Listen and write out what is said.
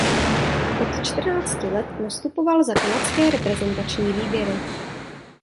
Od čtrnácti let nastupoval za kanadské reprezentační výběry.